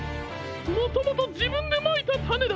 もともとじぶんでまいたたねだ。